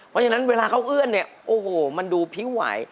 เพราะฉะนั้นเวลาเขาเอื้อนมันดูพิ้วไหว